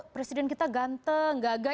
presiden kita ganteng gagah